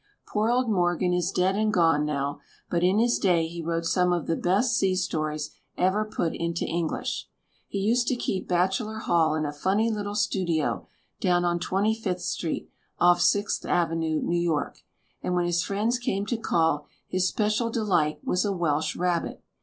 Poor old Morgan is dead and gone, now, but in his day he wrote some of the best sea stories ever put into English. He used to keep bach elor hall in a funny little studio down on 25th Street, off Sixth Avenue, New York — and when his friends came to call his special delight was a Welsh Rabbit.